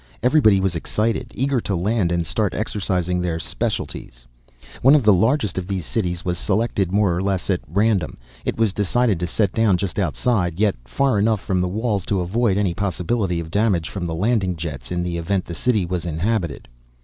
Everybody was excited, eager to land and start exercising their specialties. One of the largest of these cities was selected more or less at random. It was decided to set down just outside, yet far enough from the walls to avoid any possibility of damage from the landing jets in the event the city was inhabited.